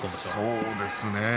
そうですね。